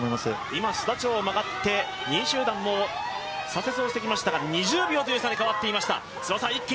今、須田町を回って２位集団も左折をしてきましたが２０秒という差になってきました。